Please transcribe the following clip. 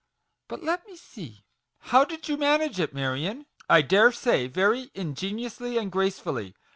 But let me see ; how did you manage it, Marion ? I dare say very ingeniously and gracefully.